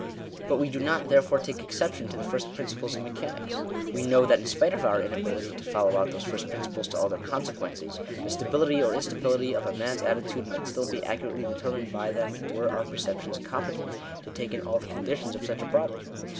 But we do not, therefore, take exception to the first principles of mechanics. We know that, in spite of our inability to follow out those first principles to all their consequences, the stability or instability of a man's attitude might still be accurately determined by them, were our perceptions competent to take in all the conditions of such a problem.